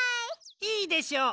いいでしょう。